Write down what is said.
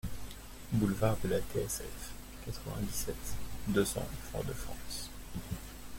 Boulevard de la T.S.F., quatre-vingt-dix-sept, deux cents Fort-de-France